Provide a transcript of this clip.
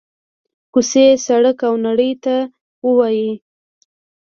کوڅې، سړک او نړۍ ته ووايي: